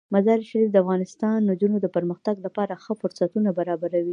مزارشریف د افغان نجونو د پرمختګ لپاره ښه فرصتونه برابروي.